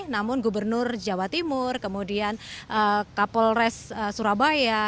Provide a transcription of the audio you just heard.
namun gubernur jawa timur kemudian kapolres surabaya